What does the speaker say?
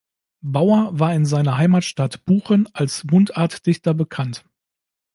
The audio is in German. Bauer war in seiner Heimatstadt Buchen als Mundartdichter bekannt.